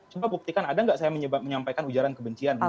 cuma buktikan ada tidak saya menyampaikan ujaran kebencian